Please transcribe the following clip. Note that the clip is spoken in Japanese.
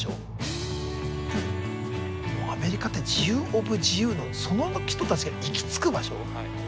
もうアメリカって自由オブ自由のその人たちが行き着く場所？